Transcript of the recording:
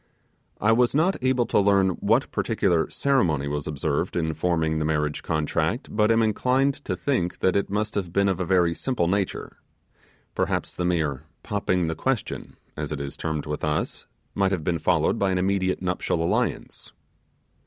I was not able to learn what particular ceremony was observed in forming the marriage contract, but am inclined to think that it must have been of a very simple nature. Perhaps the mere 'popping the question', as it is termed with us, might have been followed by an immediate nuptial alliance.